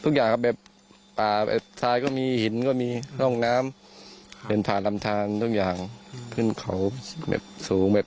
กำหนังแนวข้างล่างครับ